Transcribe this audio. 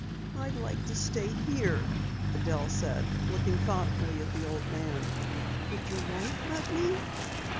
"I'd like to stay here," Adelle said, looking thoughtfully at the old man. "Would your wife let me?"